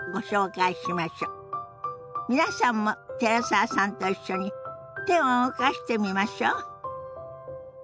皆さんも寺澤さんと一緒に手を動かしてみましょ。